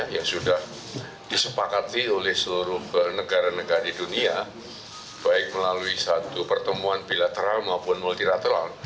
yang sudah disepakati oleh seluruh negara negara di dunia baik melalui satu pertemuan bilateral maupun multilateral